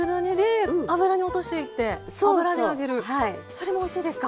それもおいしいですか？